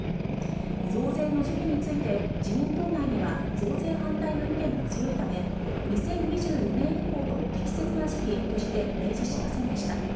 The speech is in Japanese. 増税の時期について自民党内には増税反対の意見も強いため２０２４年以降の適切な時期として明示しませんでした。